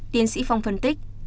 tiến sĩ phong phân tích